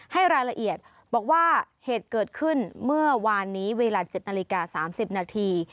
ให้รายละเอียดบอกว่าเหตุเกิดขึ้นเมื่อวานนี้เวลา๗นาฬิกา๓๐นาที